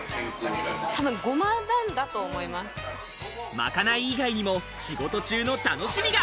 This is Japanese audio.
賄い以外にも、仕事中の楽しみが。